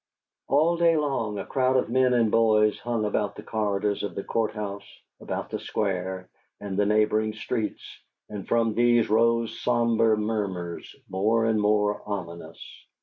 All day long a crowd of men and boys hung about the corridors of the Court house, about the Square and the neighboring streets, and from these rose sombre murmurs, more and more ominous.